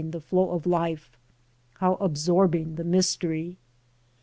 the flow of life, how absorbing the mystery